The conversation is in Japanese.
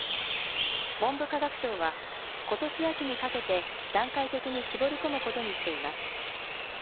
文部科学省はことし秋にかけて段階的に絞り込むことにしています。